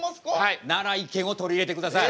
なら意見を取り入れてください。